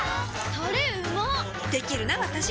タレうまっできるなわたし！